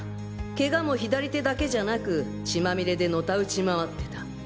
ケガも左手だけじゃなく血まみれでのたうち回ってた。